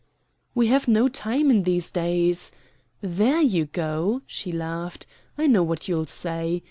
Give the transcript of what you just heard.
"We have no time in these days " "There you go," she laughed. "I know what you'll say.